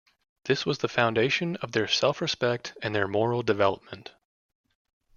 This was the foundation of their self-respect and their moral development.